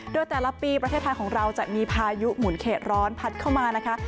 โดยแต่ละปีประเทศไทยของเราจะมีพายุหมุนเขตร้อนพัดเข้ามานะคะ